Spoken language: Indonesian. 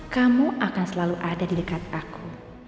kamu akan selalu ada di dekat aku